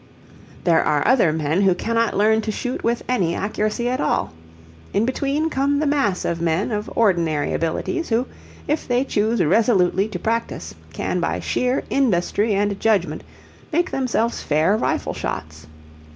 There are other men who cannot learn to shoot with any accuracy at all. In between come the mass of men of ordinary abilities who, if they choose resolutely to practice, can by sheer industry and judgment make themselves fair rifle shots.